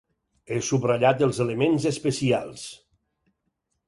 He subratllat els elements especials.